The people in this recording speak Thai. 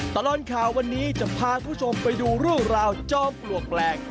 ตลอดข่าววันนี้จะพาคุณผู้ชมไปดูเรื่องราวจอมปลวกแปลก